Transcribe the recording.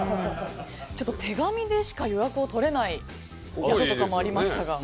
ちょっと手紙でしか予約が取れないところもありましたが。